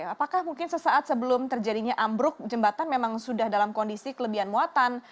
apakah mungkin sesaat sebelum terjadinya ambruk jembatan memang sudah dalam kondisi kelebihan muatan